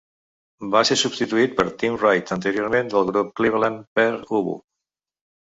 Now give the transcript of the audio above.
Va ser substituït per Tim Wright, anteriorment del grup de Cleveland Pere Ubu.